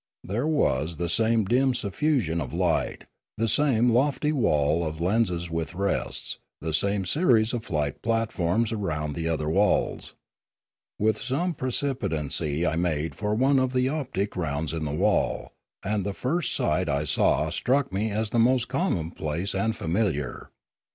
There was the same dim suffusion of light, the same lofty wall of lenses with rests, the same series of flight platforms round the other walls. With some precipitancy I made for one of the optic rounds in the wall, and the first sight I saw struck me as the most commonplace and familiar.